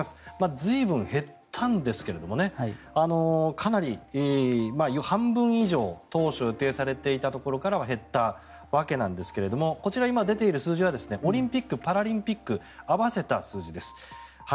随分減ったんですがかなり半分以上当初予定されていたところからは減ったわけなんですがこちら、今出ている数字はオリンピック・パラリンピック合わせた数字です。